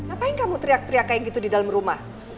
ngapain kamu teriak teriak kayak gitu di dalam rumah